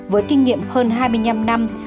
với kinh nghiệm hơn hai mươi năm năm